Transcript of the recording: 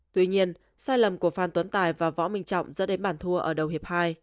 tuy nhiên sai lầm của phan tuấn tài và võ minh trọng dẫn đến bàn thua ở đầu hiệp hai